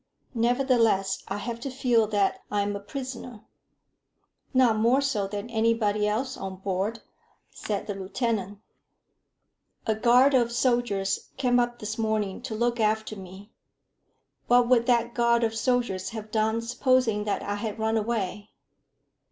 Nevertheless I have to feel that I am a prisoner." "Not more so than anybody else on board," said the lieutenant. "A guard of soldiers came up this morning to look after me. What would that guard of soldiers have done supposing that I had run away?"